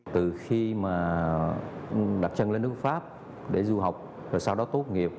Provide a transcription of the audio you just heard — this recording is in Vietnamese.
từ khi mà đặt chân lên nước pháp để du học rồi sau đó tốt nghiệp